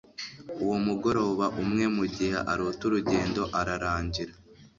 Uwo mugoroba umwe mugihe arota urugendo ararangira